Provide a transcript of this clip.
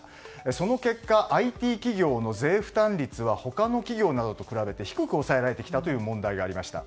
その結果、ＩＴ企業の税負担率は他の企業などと比べて低く抑えられてきたという問題がありました。